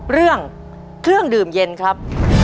เรื่องเครื่องดื่มเย็นครับ